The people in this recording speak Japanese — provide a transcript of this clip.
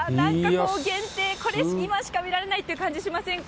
限定、今しか見られない感じしませんか？